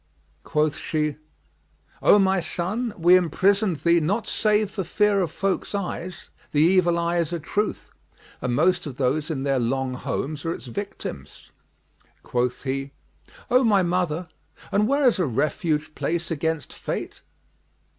Quoth she, "O my son, we imprisoned thee not save for fear of folks' eyes: 'the evil eye is a truth,'[FN#34] and most of those in their long homes are its victims." Quoth he, "O my mother, and where is a refuge place against Fate?